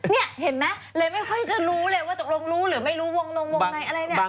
นี่เห็นไหมเลยไม่ค่อยจะรู้เลยว่าตกลงรู้หรือไม่รู้วงนงวงในอะไรเนี่ย